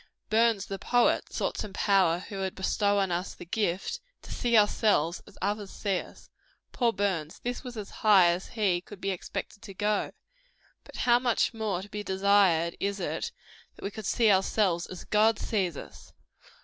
Burns, the poet, sought some power who would bestow on us the gift "to see ourselves as others see us." Poor Burns! this was as high as he could be expected to go. But how much more to be desired is it, that we could see ourselves as God sees us?